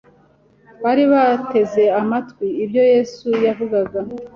bari bateze amatwi ibyo Yesu yavugaga